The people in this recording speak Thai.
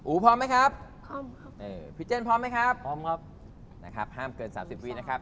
อู๋พร้อมไหมครับพี่เจนพร้อมไหมครับพร้อมครับนะครับห้ามเกิน๓๐วีนะครับ